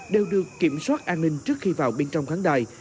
đều được kiểm soát an ninh trước khi vào bên trong khán đài